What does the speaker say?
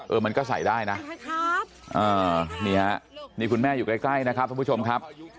เออมันก็ใส่ได้นะนี่คุณแม่อยู่ใกล้นะครับทุกผู้ชมครับ